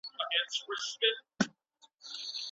که چوکۍ نارامه وي نو زده کوونکی ستړی کیږي.